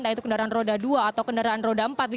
yaitu kendaraan roda dua atau kendaraan roda empat